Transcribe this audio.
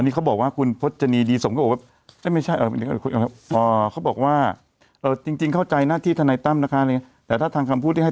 นี่เขาบอกว่าคุณพฤษฎณีดีสมก็อร่อยแปลว่าแล้วตัำคำพูดแล้วให้